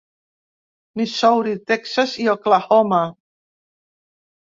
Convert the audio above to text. Missouri, Texas i Oklahoma.